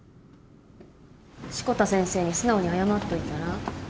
志子田先生に素直に謝っといたら？